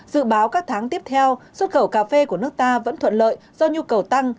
dự báo các tháng tiếp theo xuất khẩu cà phê của nước ta vẫn thuận lợi do nhu cầu tăng